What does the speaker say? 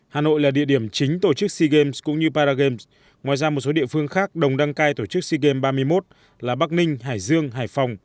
hà nội là địa điểm chính tổ chức sea games cũng như paragame ngoài ra một số địa phương khác đồng đăng cai tổ chức sea games ba mươi một là bắc ninh hải dương hải phòng